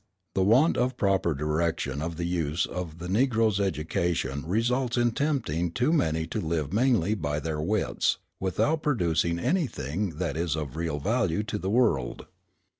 The want of proper direction of the use of the Negro's education results in tempting too many to live mainly by their wits, without producing anything that is of real value to the world.